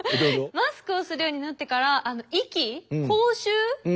マスクをするようになってから息？